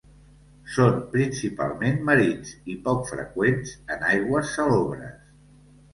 Són principalment marins i poc freqüents en aigües salobres.